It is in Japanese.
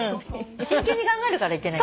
真剣に考えるからいけない。